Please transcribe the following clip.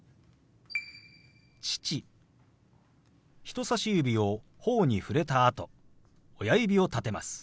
人さし指をほおに触れたあと親指を立てます。